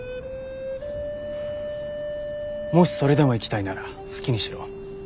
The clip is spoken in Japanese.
もしそれでも行きたいなら好きにしろ。